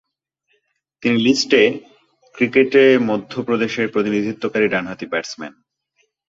তিনি list A ক্রিকেটে মধ্য প্রদেশের প্রতিনিধিত্বকারী ডানহাতি ব্যাটসম্যান।